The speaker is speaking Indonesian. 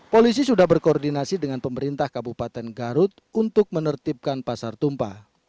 polisi sudah berkoordinasi dengan pemerintah kabupaten garut untuk menertibkan pasar tumpah